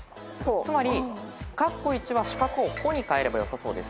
つまりは四角を「コ」にかえればよさそうです。